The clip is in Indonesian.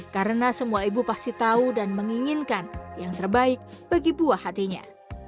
karena semua ibu pasti tahu dan menginginkan yang terbaik bagi buah hatinya